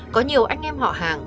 có nhiều anh em họ hải phòng